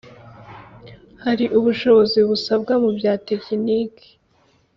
Hari ubushobozi busabwa mu bya tekiniki